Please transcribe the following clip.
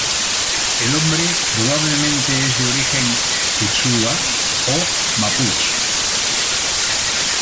El nombre probablemente es de origen Quechua o mapuche.